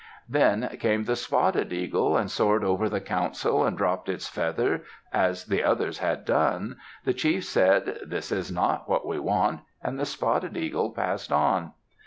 Then came the spotted eagle, and soared over the council, and dropped its feather as the others had done. The chief said, "This is not what we want," and the spotted eagle passed on.